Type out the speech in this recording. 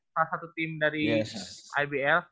salah satu tim dari ibl